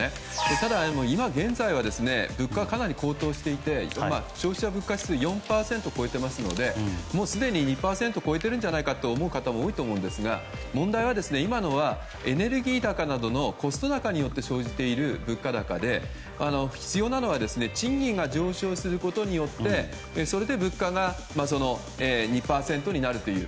ただ、今現在は物価がかなり高騰していて消費者物価指数が４％を超えていますのでもうすでに２％を超えているんじゃないかと思う方も多いと思いますが問題は、今はエネルギー高などのコスト高によって生じている物価高で必要なのは賃金が上昇することでそれで物価が２％になるという。